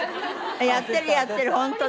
やってるやってる。ホントだ。